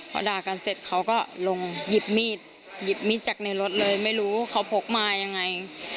พอด่ากันเสร็จเขาก็ลงหยิบมีดหยิบมีดจากในรถเลยไม่รู้เขาพกมายังไง